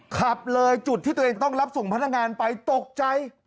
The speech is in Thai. ขับเลยจุดที่ตัวเองต้องรับส่งพนักงานไปตกใจ